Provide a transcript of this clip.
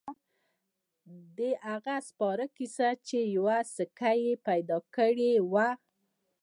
د هغه سپاره کیسه چې یوه سکه يې پیدا کړې وه.